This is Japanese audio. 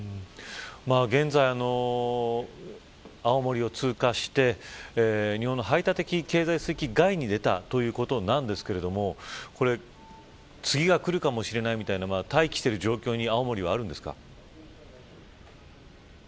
現在、青森を通過して日本の排他的経済水域外に出たということなんですけれどもこれ、次が来るかもしれないみたいな待機している状況に青森はあるんですか。